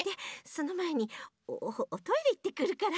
そのまえにおトイレいってくるから。